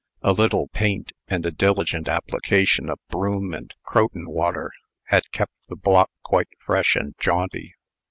A little paint, and a diligent application of broom and Croton water, had kept the block quite fresh and jaunty.